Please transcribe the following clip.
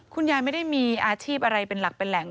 คุณยายไม่ได้มีอาชีพอะไรเป็นหลักเป็นแหล่ง